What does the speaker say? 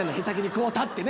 こう立ってね」